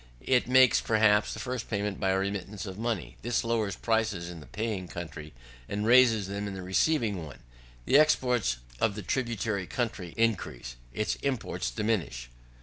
It makes, perhaps, the first payment by a remittance of money. This lowers prices in the paying country, and raises them in the receiving one: the exports of the tributary country increase, its imports diminish.